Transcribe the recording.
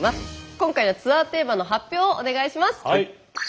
今回のツアーテーマの発表をお願いします。